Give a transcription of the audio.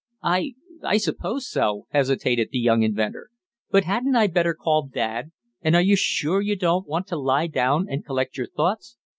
"I I suppose so," hesitated the young inventor. "But hadn't I better call dad? And are you sure you don't want to lie down and collect your thoughts?